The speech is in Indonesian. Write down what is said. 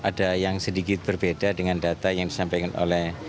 ada yang sedikit berbeda dengan data yang disampaikan oleh